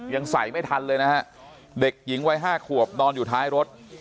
ยังใส่ไม่ทันเลยนะฮะเด็กหญิงวัย๕ขวบนอนอยู่ท้ายรถ